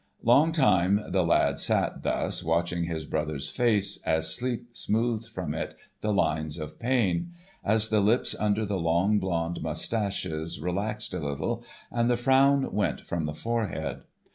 Long time the lad sat thus watching his brother's face as sleep smoothed from it the lines of pain; as the lips under the long, blond mustaches relaxed a little, and the frown went from the forehead.